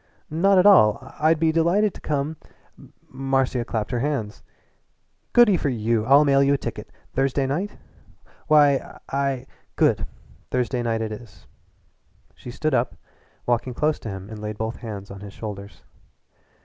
"Not at all. I'd be delighted to come " Marcia clapped her hands. "Goodyforyou! I'll mail you a ticket Thursday night?" "Why, I " "Good! Thursday night it is." She stood up and walking close to him laid both hands on his shoulders.